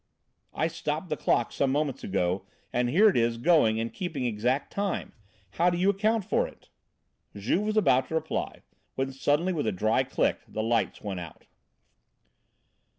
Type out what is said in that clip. "I stopped the clock some moments ago, and here it is going and keeping exact time! How do you account for it?" Juve was about to reply, when suddenly with a dry click the light went out.